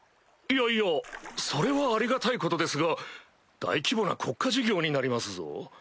いやいやそれはありがたいことですが大規模な国家事業になりますぞ？